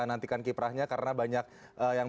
nantikan kiprahnya karena banyak yang